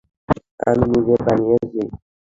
আমি নিজে বানিয়েছি।